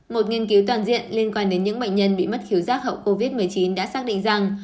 một nghiên cứu toàn diện liên quan đến những bệnh nhân bị mất thiếu giác hậu covid một mươi chín đã xác định rằng